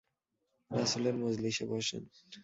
রাসূলের মজলিসে বসেন।